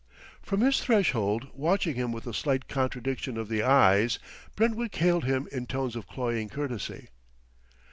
From his threshold, watching him with a slight contraction of the eyes, Brentwick hailed him in tones of cloying courtesy.